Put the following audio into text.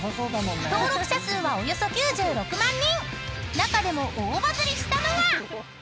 ［中でも大バズりしたのが］